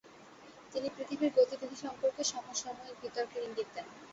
তিনি পৃথিবীর গতিবিধি সম্পর্কে সমসাময়িক বিতর্কের ইঙ্গিত দেন।